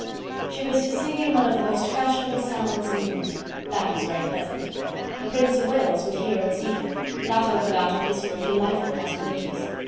She was to sing in one of the most fashionable salons in England: that was very pleasant. The Prince of Wales would hear and see her! that opened out a vista of delightful possibilities!